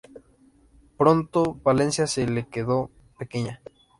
Pronto Valencia se le quedó pequeña.